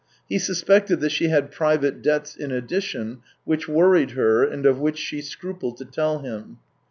He suspected that she had private debts in addition which worried her and of which she scrupled to tell him.